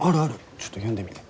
ちょっと読んでみて。